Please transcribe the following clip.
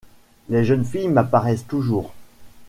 Les jeunes filles m’apparaissent toujours.